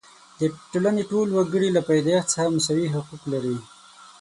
د ټولنې ټول وګړي له پیدایښت څخه مساوي حقوق لري.